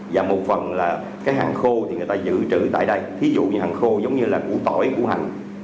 và một phần là cái hàng khô thì người ta dự trữ tại đây ví dụ như hàng khô giống như là củ tỏi của hành